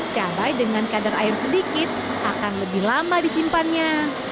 cabai dengan kadar air sedikit akan lebih lama disimpannya